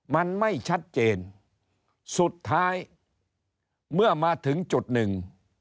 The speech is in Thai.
มันไม่ชัดเจนสุดท้ายเมื่อมาถึงจุดหนึ่ง